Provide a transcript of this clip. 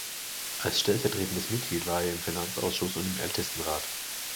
Als stellvertretendes Mitglied war er im Finanzausschuss und im Ältestenrat.